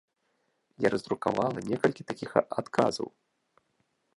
Я раздрукавала некалькі такіх адказаў.